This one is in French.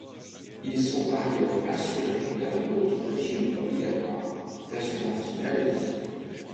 Ils sont par ailleurs assurés d'un autre régime obligatoire d'assurance maladie.